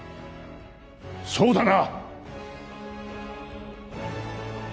そうだな。